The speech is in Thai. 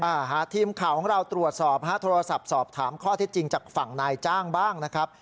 อ่าฮะทีมข่าวของเราตรวจสอบฮะโทรศัพท์สอบถามข้อเท็จจริงจากฝั่งนายจ้างบ้างนะครับ